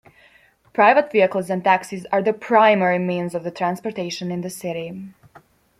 Private vehicles and taxis are the primary means of transportation in the city.